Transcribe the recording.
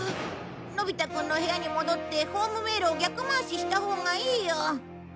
のび太くんの部屋に戻ってホームメイロを逆回ししたほうがいいよ。